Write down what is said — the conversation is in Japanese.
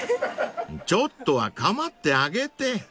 ［ちょっとは構ってあげて］